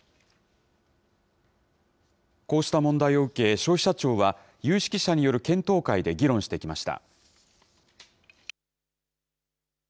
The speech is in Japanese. こうした問題を受け、消費者庁は有識者による検討会で議論してきました。